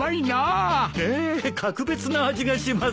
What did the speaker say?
ええ格別な味がします。